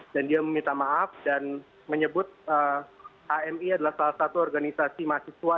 dia meminta maaf dan menyebut hmi adalah salah satu organisasi mahasiswa